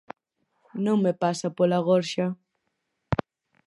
Non me pasa pola gorxa.